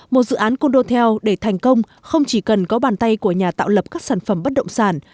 một dự án condotel để thành công không chỉ cần có bàn tay của nhà tạo lập các sản phẩm bất động sản